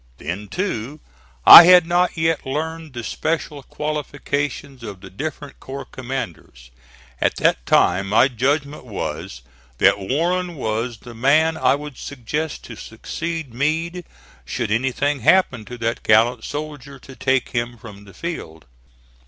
Then, too, I had not yet learned the special qualifications of the different corps commanders. At that time my judgment was that Warren was the man I would suggest to succeed Meade should anything happen to that gallant soldier to take him from the field.